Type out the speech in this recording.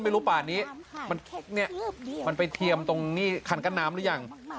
ไม่รู้ป่านี้มันเนี่ยมันไปเทียมตรงนี้ขันกัดน้ำหรือยัง